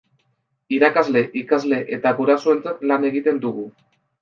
Irakasle, ikasle eta gurasoentzat lan egiten dugu.